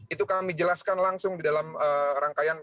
itu kami jelaskan langsung di dalam rangkaian